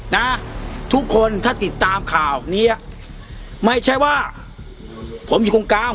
นะทุกคนถ้าติดตามข่าวเนี้ยไม่ใช่ว่าผมอยู่โครงการ